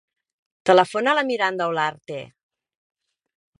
Telefona a la Miranda Olarte.